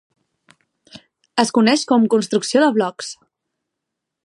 Es coneix com "construcció de blocs".